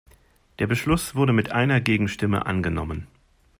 Der Beschluss wurde mit einer Gegenstimme angenommen.